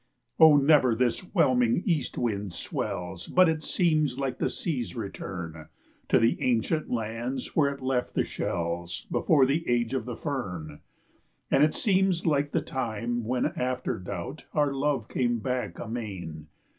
Oh, never this whelming east wind swells But it seems like the sea's return To the ancient lands where it left the shells Before the age of the fern; And it seems like the time when, after doubt, Our love came back amain.